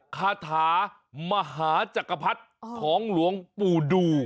คาถามหาจักรพรรดิของหลวงปู่ดู